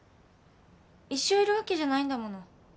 一生いるわけじゃないんだもの。